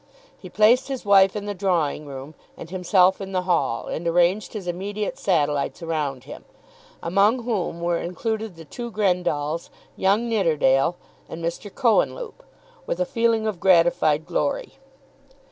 He placed his wife in the drawing room and himself in the hall, and arranged his immediate satellites around him, among whom were included the two Grendalls, young Nidderdale, and Mr. Cohenlupe, with a feeling of gratified glory.